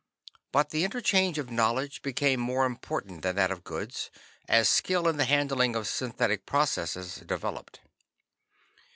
But the interchange of knowledge became more important than that of goods, as skill in the handling of synthetic processes developed.